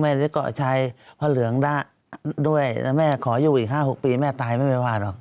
แม่จะกอจายพระเรืองด้าแม่ขอยู่อีก๔๖ปีแม่ตายไม่ไหวพ่อหรอก